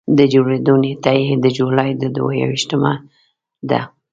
د جوړېدو نېټه یې د جولایي د دوه ویشتمه ده.